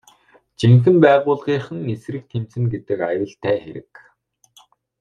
Жинхэнэ байгууллынх нь эсрэг тэмцэнэ гэхэд аюултай хэрэг.